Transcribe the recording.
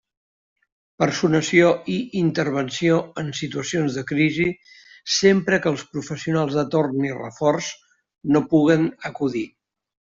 Personació i intervenció en situacions de crisi sempre que els professionals de torn i reforç no puguen acudir.